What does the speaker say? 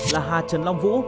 là hà trần long vũ